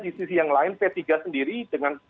di sisi yang lain p tiga sendiri dengan